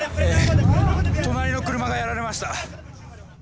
隣の車がやられました。